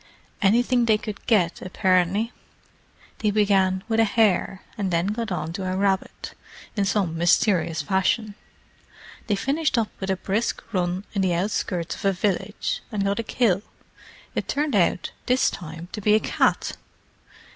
"Anything they could get, apparently. They began with a hare, and then got on to a rabbit, in some mysterious fashion. They finished up with a brisk run in the outskirts of a village, and got a kill—it turned out this time to be a cat!"